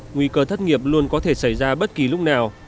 nguy cơ thất nghiệp luôn có thể xảy ra bất kỳ lúc nào